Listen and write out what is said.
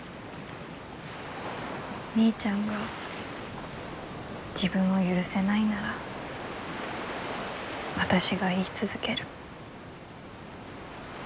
みーちゃんが自分を許せないなら私が言い続ける。